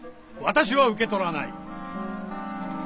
私は受け取らない。